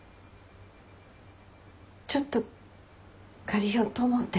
ちょっと借りようと思って。